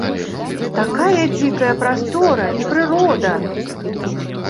Такая дзікая прастора і прырода!